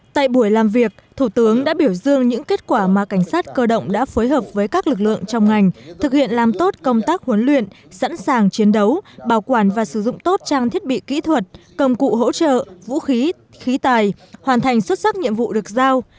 tại buổi làm việc thủ tướng đã biểu dương những kết quả mà cảnh sát cơ động đã phối hợp với các lực lượng trong ngành thực hiện làm tốt công tác huấn luyện sẵn sàng chiến đấu bảo quản và sử dụng tốt trang thiết bị kỹ thuật công cụ hỗ trợ vũ khí khí tài hoàn thành xuất sắc nhiệm vụ được giao